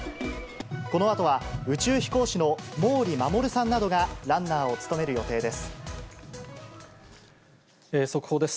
このあとは宇宙飛行士の毛利衛さんなどがランナーを務める予定で速報です。